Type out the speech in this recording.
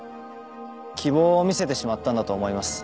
希望を見せてしまったんだと思います。